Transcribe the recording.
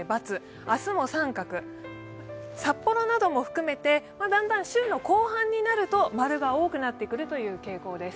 明日も△、札幌なども含めてだんだん週末にかけて○が多くなってくるという傾向です。